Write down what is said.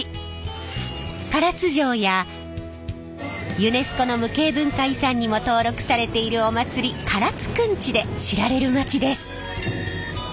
ユネスコの無形文化遺産にも登録されているお祭り唐津くんちで知られる街です。